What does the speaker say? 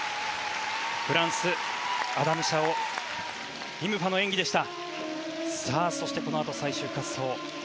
フランス、アダム・シャオ・イム・ファの演技でした。